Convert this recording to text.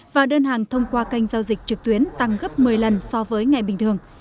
và đơn hàng thông qua kênh giao dịch trực tuyến tăng gấp một mươi lần so với ngày bình thường